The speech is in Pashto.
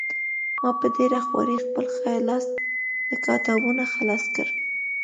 ما په ډېره خوارۍ خپل ښی لاس له کتابونو خلاص کړ